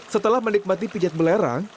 setelah menikmati pijat belerang